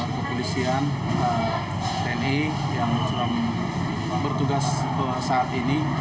kepolisian tni yang sudah bertugas saat ini